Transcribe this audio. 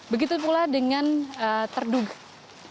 begitu pula dengan terduga